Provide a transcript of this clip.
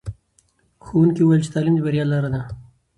ښوونکي وویل چې تعلیم د بریا لاره ده.